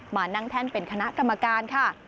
มานั่งแท่นเป็นคณะกรรมการค่ะ